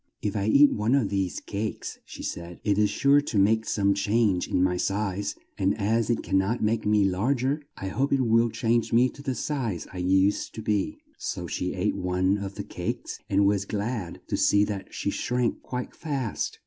"If I eat one of these cakes," she said, "it is sure to make some change in my size; and as it can't make me larg er, I hope it will change me to the size I used to be." So she ate one of the cakes and was glad to see that she shrank quite fast.